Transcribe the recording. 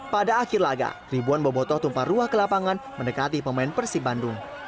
pada akhir laga ribuan bobotoh tumpah ruah ke lapangan mendekati pemain persib bandung